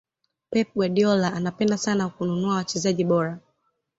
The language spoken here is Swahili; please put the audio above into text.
pep guardiola anapenda sana kununua wachezaji bora